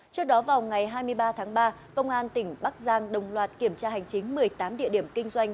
trước đó vào ngày hai mươi ba tháng ba công an tỉnh bắc giang đồng loạt kiểm tra hành chính một mươi tám địa điểm kinh doanh